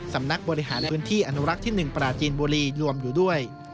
สำนักบริหารพื้นที่อนุรักษ์ที่๑ปราจีนบุรีรวมอยู่ด้วย